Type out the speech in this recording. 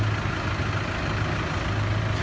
พร้อมต่ำยาว